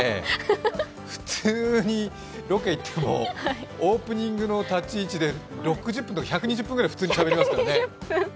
普通にロケ行っても、オープニングの立ち位置で６０分とか１２０分とか普通にしゃべりますからね。